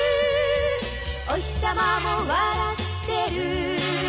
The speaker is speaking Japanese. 「おひさまも笑ってる」